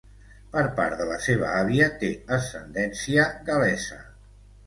Per part de la seva àvia té ascendència gal·lesa.